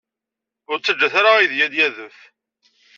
Ur ttaǧǧat ara aydi ad d-yadef.